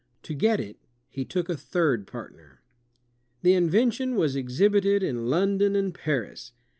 To get it, he took a third partner. The invention was exhibited in London and Paris.